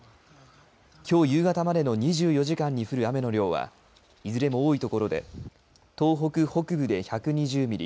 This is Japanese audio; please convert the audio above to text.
きょう夕方までの２４時間に降る雨の量はいずれも多い所で東北北部で１２０ミリ